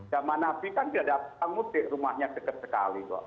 zaman nabi kan tidak ada pulang mudik rumahnya dekat sekali